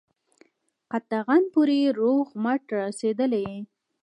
قطغن پوري روغ رمټ را رسېدلی یې.